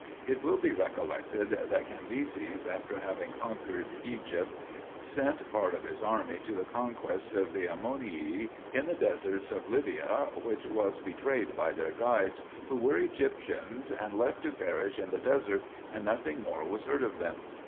It will be recollected, that Cam byses, after having conquered Egypt, sent part of his army to the conquest of the Ammonii in the deserts of Lybia, which was betrayed by their guides, Avho were Egyptians, and left to perish in the desert, and nothing more was heard of them.